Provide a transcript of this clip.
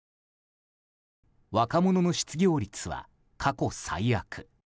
若者の失業率は過去最悪。